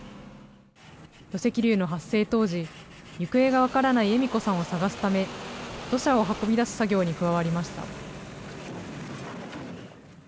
土石流の発生当時、行方が分からない笑子さんを捜すため、土砂を運び出す作業に加わりました。